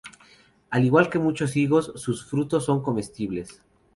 Al igual que muchos higos, sus frutos son comestibles.